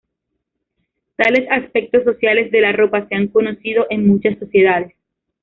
Tales aspectos sociales de la ropa se han conocido en muchas sociedades.